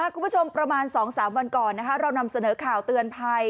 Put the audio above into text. คุณผู้ชมประมาณ๒๓วันก่อนเรานำเสนอข่าวเตือนภัย